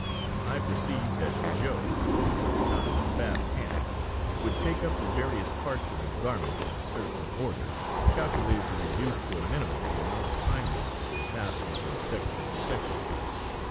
I perceived that Joe, who was accounted a fast hand, would take up the various parts of a garment in a certain order calculated to reduce to a minimum the amount of time lost in passing from section to section.